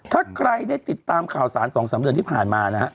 ถ้าใครได้ติดตามข่าวสาร๒๓เดือนที่ผ่านมานะฮะ